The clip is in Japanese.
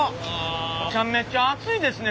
めちゃめちゃ暑いですね